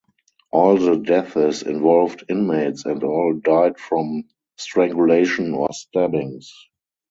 All the deaths involved inmates and all died from strangulation or stabbings.